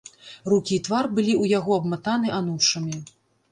Рукі і твар былі ў яго абматаны анучамі.